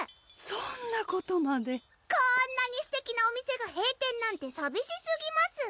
そんなことまでこんなにすてきなお店が閉店なんてさびしすぎます